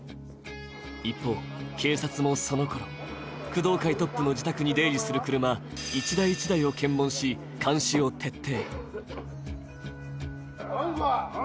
一方、警察もそのころ、工藤会トップの自宅に出入りする車一台一台を検問し監視を徹底。